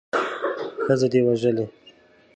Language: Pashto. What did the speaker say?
ښځه دې وژلې.